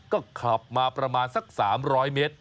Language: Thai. ก็ขับมาประมาณสัก๓๐๐เมตร